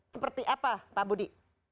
seperti apa pak budi